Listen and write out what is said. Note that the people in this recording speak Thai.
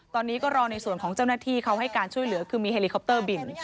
ตอนนี้ก็รอในส่วนของเจ้าหน้าที่เขาให้การช่วยเหลือคือมีเฮลิคอปเตอร์บิน